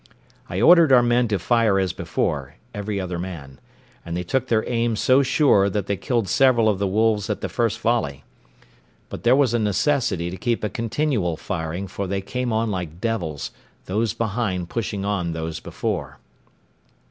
I ordered our men to fire as before, every other man; and they took their aim so sure that they killed several of the wolves at the first volley; but there was a necessity to keep a continual firing, for they came on like devils, those behind pushing on those before.